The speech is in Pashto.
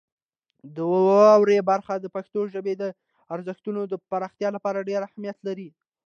د واورئ برخه د پښتو ژبې د ارزښتونو د پراختیا لپاره ډېر اهمیت لري.